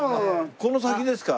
この先ですか？